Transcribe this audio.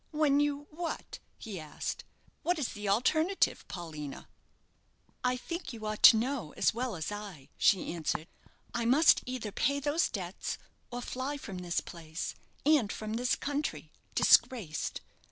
"When you what?" he asked. "What is the alternative, Paulina?" "I think you ought to know as well as I," she answered. "I must either pay those debts or fly from this place, and from this country, disgraced.